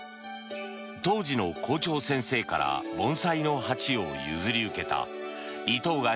当時の校長先生から盆栽の鉢を譲り受けた井藤賀